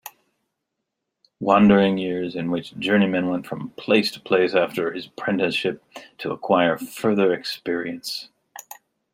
Wandering years, in which a journeyman went from place to place after his apprenticeship, to acquire further experience.